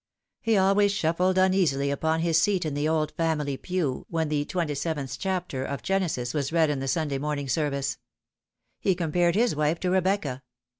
He always shuffled uneasily upon his seat in the old family pew when the 27th chapter of Genesis was read in the Sunday morning service. He compared his wife to Rebecca.